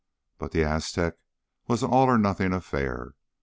But the Aztec was an all or nothing affair.